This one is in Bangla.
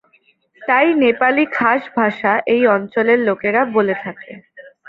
তাই, নেপালি "খাস ভাষা" এই অঞ্চলের লোকেরা বলে থাকে।